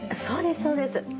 そうですそうです。